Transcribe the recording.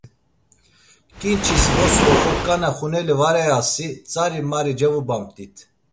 K̆inçis, vrosi oxoǩana xuneli var ayasi tzari mari cevubamt̆it.